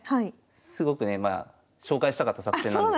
すごくねまあ紹介したかった作戦なんですよ。